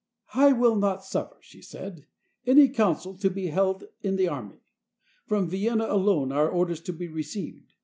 "I will not suffer," she said, "any council to be held in the army. From Vienna alone are orders to be re ceived.